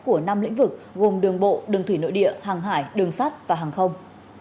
của năm lĩnh vực gồm đường bộ đường thủy nội địa hàng hải đường sắt và hàng không